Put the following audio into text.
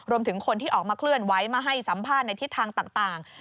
รวมถึงคนที่ออกมาเคลื่อนไว้มาให้สัมภาษณ์ในทิศทางต่าง